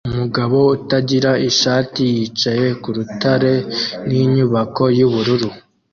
umugabo utagira ishati yicaye ku rutare ninyubako yubururu